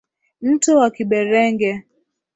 Mto wa Kiberenge.